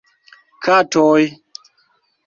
Katoj